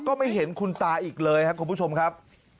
ก็ไม่เห็นคุณตาอีกเลยครับคุณผู้ชมครับ